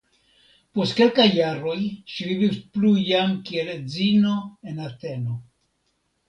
Post kelkaj jaroj ŝi vivis plu jam kiel edzino en Ateno.